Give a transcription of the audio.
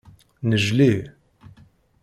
Nnejli.